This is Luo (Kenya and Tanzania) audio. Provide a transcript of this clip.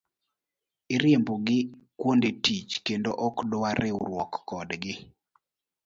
Iriembo gi kuonde tich kendo ok dwa riwruok kodgi.